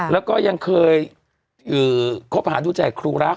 แล้วยังเคยคบอาหารด้วยใจกับครูรัก